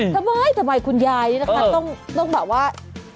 ทำไมทำไมคุณยายนี่นะคะต้องแบบว่า